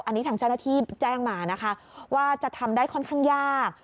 อันนี้ทางเจ้าหน้าที่แจ้งมานะคะว่าจะทำได้ค่อนข้างยาก